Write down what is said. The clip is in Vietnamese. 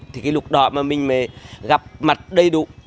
thì cái lục đoạn mà mình mới gặp mặt đầy đủ